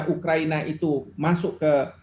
ukraina itu masuk ke